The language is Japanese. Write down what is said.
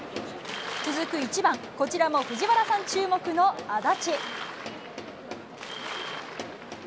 続く１番、こちらも藤原さん注目の安達。